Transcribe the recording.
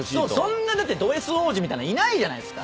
そんなドＳ王子みたいなのいないじゃないですか。